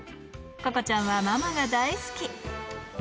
ここちゃんはママが大好き。